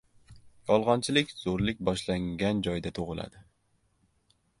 Yolg‘onchilik zo‘rlik boshlangan joyda tug‘iladi.